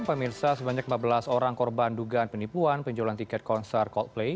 pemirsa sebanyak empat belas orang korban dugaan penipuan penjualan tiket konser coldplay